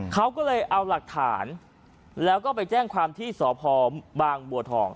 เขาก็เลยเอาหลักฐานแล้วก็ไปแจ้งความที่สพบางบัวทอง